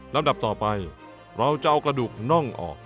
ดับต่อไปเราจะเอากระดูกน่องออก